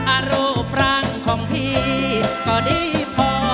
อารูปรังของพี่ก็ดีพอ